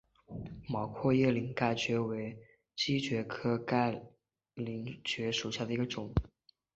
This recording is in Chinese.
毛阔叶鳞盖蕨为姬蕨科鳞盖蕨属下的一个种。